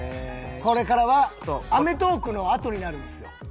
これからは『アメトーーク！』のあとになるんですよ。